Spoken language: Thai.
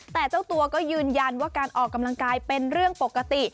แต่เจ้าตัวก็ยืนยันว่าการออกกำลังกายเป็นเรื่องปกติ